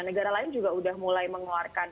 negara lain juga sudah mulai mengeluarkan